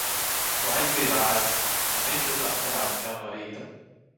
Laiks bija vēss, un viņš jutās savārdzis jau no rīta.